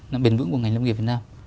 và bền vững của ngành lâm nghiệp việt nam